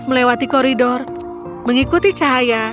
aku menemukanmu di koridor mengikuti cahaya